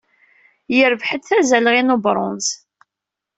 Yerbeḥ-d tazalɣi n webṛunz.